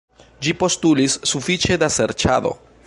Ĝi postulis sufiĉe da serĉado.